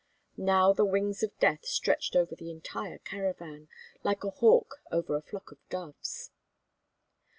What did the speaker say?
Now the wings of death stretched over the entire caravan like a hawk over a flock of doves.